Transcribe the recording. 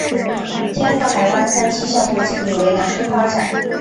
天赋海湾三期项目经理为南丰发展。